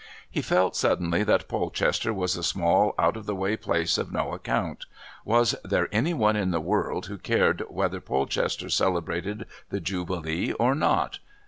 He felt suddenly that Polchester was a small out of the way place of no account; was there any one in the world who cared whether Polchester celebrated the Jubilee or not?